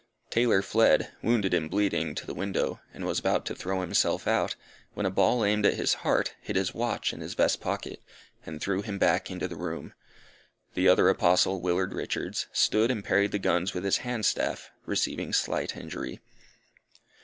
Taylor fled, wounded and bleeding, to the window, and was about to throw himself out, when a ball aimed at his heart, hit his watch in his vest pocket, and threw him back into the room. The other Apostle, Willard Richards, stood and parried the guns with his hand staff, receiving slight injury.